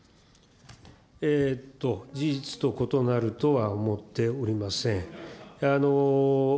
事実と異なるとは思っておりません。